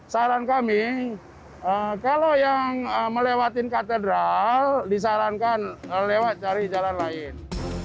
saran kami kalau yang melewati katedral disarankan lewat cari jalan lain